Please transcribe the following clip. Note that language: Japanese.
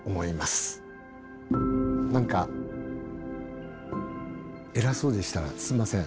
何か偉そうでしたらすいません。